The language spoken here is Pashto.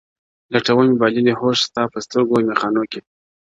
لټوم بایللی هوښ مي ستا په سترګو میخانو کي,